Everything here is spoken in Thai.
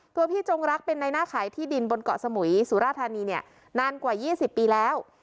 พี่จงรักเป็นในหน้าขายที่ดินบนเกาะสมุยสุราธานีเนี่ยนานกว่า๒๐ปีแล้ว